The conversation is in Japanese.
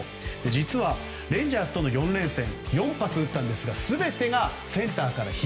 実は、レンジャースとの４連戦は４発打ったんですがすべてセンターから左。